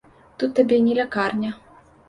Тут табе не лякарня.